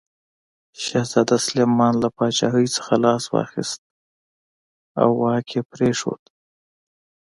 شهزاده سلیمان له پاچاهي څخه لاس واخیست او واک یې پرېښود.